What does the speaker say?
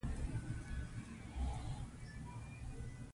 دی ورته په حوصله ځواب ورکوي.